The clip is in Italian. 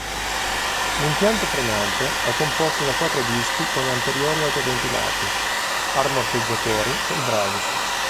L'impianto frenante è composto da quattro dischi con gli anteriori autoventilati, ammortizzatori idraulici.